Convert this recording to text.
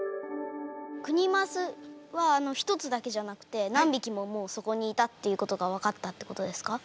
クニマスは１つだけじゃなくて何匹ももうそこにいたっていうことが分かったってことですか？